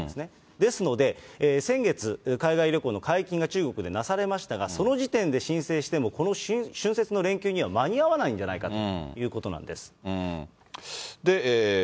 ですので、先月、海外旅行の解禁が中国でなされましたがその時点で申請しても、この春節の連休には間に合わないんじゃないかということなんです。